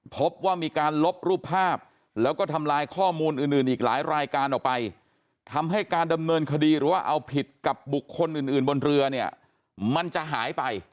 พบว่ามีการลบรูปภาพแล้วก็ทำลายข้อมูลอื่นอื่นอีกหลายรายการออกไปทำให้การดำเนินคดีหรือว่าเอาผิดกับบุคคลอื่นบนเรือเนี่ยมันจะหายไป